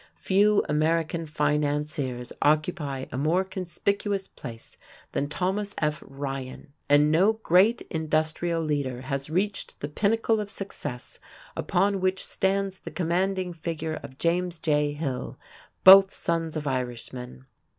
Few American financiers occupy a more conspicuous place than Thomas F. Ryan, and no great industrial leader has reached the pinnacle of success upon which stands the commanding figure of James J. Hill, both sons of Irishmen.